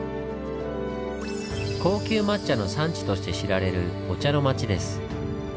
高級抹茶の産地として知られるお茶の町です。